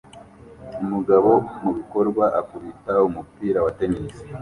Umugabo mubikorwa akubita umupira wa tennis